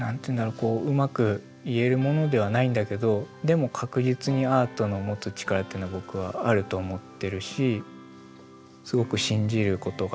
こううまく言えるものではないんだけどでも確実にアートの持つチカラっていうのは僕はあると思ってるしすごく信じることができるものだとは思ってます。